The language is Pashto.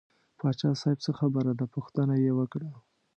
پاچا صاحب څه خبره ده پوښتنه یې وکړه.